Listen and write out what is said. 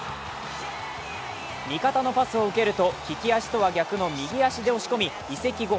味方のパスを受けると利き足とは逆の右足で押し込み移籍後